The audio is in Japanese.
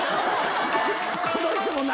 この人も。